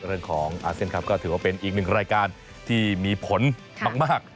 เรื่องของอาเซียนครับก็ถือว่าเป็นอีกหนึ่งรายการที่มีผลมาก